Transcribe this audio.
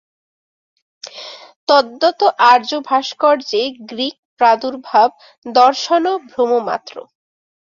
তদ্বৎ আর্যভাস্কর্যে গ্রীক প্রাদুর্ভাব-দর্শনও ভ্রম মাত্র।